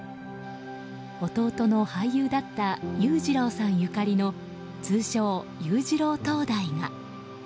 弟の俳優だった裕次郎さんゆかりの通称、裕次郎灯台が。